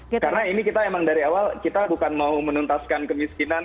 karena ini kita emang dari awal kita bukan mau menuntaskan kemiskinan